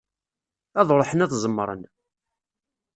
Ad ruḥen ad ẓemmren.